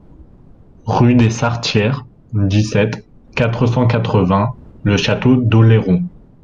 Rue des Sartières, dix-sept, quatre cent quatre-vingts Le Château-d'Oléron